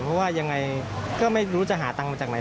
เพราะว่ายังไงก็ไม่รู้จะหาตังค์มาจากไหน